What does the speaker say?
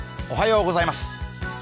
おはようございます。